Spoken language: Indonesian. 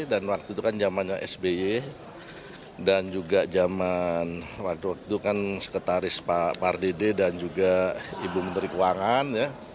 dan waktu itu kan zamannya sby dan juga zaman waktu itu kan sekretaris pak pardede dan juga ibu menteri keuangan